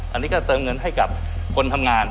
อันนี้ก็เติมเงินให้กับคนทำงาน